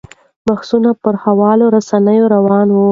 بحثونه پر خواله رسنیو روان دي.